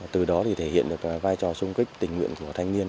từ đó thì thể hiện được vai trò sung kích tình nguyện của thanh niên